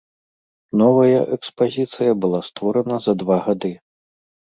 Новая экспазіцыя была створана за два гады.